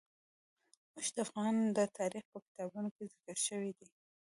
اوښ د افغان تاریخ په کتابونو کې ذکر شوی دی.